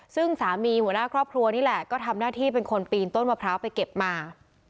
ซึ่งสามีหัวหน้าครอบครัวนี่แหละก็ทำหน้าที่เป็นคนปีนต้นมะพร้าวไปเก็บมา